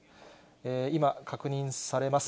今、確認されます。